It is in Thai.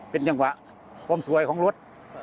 เป็นจังหวะความสวยของรถ